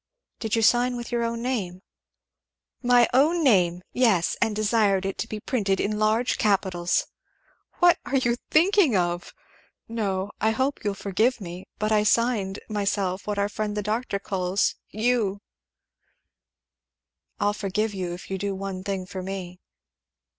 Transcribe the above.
"Did you sign with your own name?" "My own name! Yes, and desired it to be printed in large capitals. What are you thinking of? No I hope you'll forgive me, but I signed myself what our friend the doctor calls 'Yugh.'" "I'll forgive you if you'll do one thing for me."